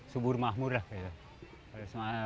sumur mahmur lah gitu